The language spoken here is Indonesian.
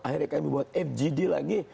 akhirnya kami buat fgd lagi